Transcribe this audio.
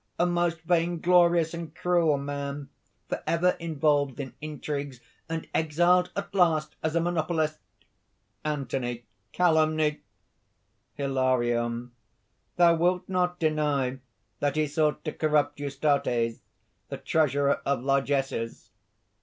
a most vainglorious and cruel man, forever involved in intrigues, and exiled at last as a monopolist." ANTHONY. "Calumny!" HILARION. "Thou wilt not deny that he sought to corrupt Eustates, the treasurer of largesses?"